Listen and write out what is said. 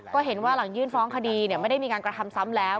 ก็เห็นว่าหลังยื่นฟ้องคดีไม่ได้มีการกระทำซ้ำแล้ว